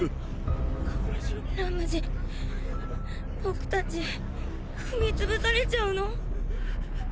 ラムジー僕たち踏み潰されちゃうの？